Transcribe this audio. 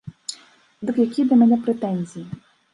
Дык якія да мяне прэтэнзіі?